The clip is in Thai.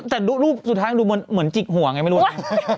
แต่รูปสุดท้ายดูเหมือนจิกหัวไงไม่รู้ไง